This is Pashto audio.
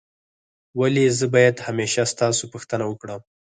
ولي زه باید همېشه ستاسو پوښتنه وکړم؟